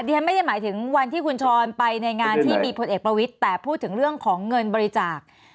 ฉันไม่ได้หมายถึงวันที่คุณชรไปในงานที่มีพลเอกประวิทย์แต่พูดถึงเรื่องของเงินบริจาค